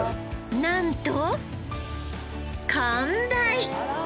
なんと完売